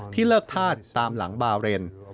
ที่เลิกทาสตามหลังบาเรน